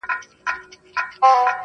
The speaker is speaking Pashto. o د پيغورونو په مالت کي بې ريا ياري ده.